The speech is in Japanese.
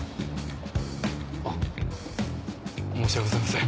あっ申し訳ございません。